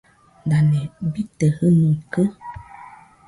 Dane bite jɨnuikɨ?